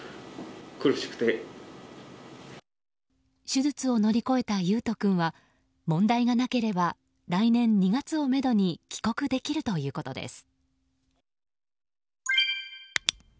手術を乗り越えた維斗君は問題がなければ来年２月をめどに帰国できるということです。